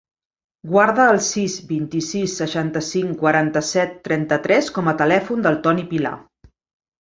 Guarda el sis, vint-i-sis, seixanta-cinc, quaranta-set, trenta-tres com a telèfon del Toni Pilar.